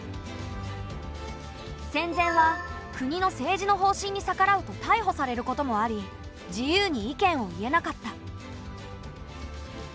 戦前は国の政治の方針に逆らうとたいほされることもあり自由に意見を言えなかった。